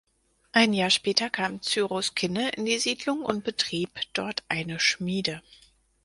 Ein Jahr später kam Cyrus Kinne in die Siedlung und betrieb dort eine Schmiede.